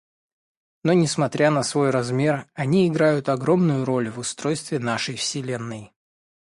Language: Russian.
Но, несмотря на свой размер, они играют огромную роль в устройстве нашей Вселенной.